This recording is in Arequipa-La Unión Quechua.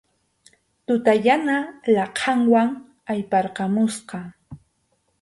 Tuta yana laqhanwan ayparqamusqa.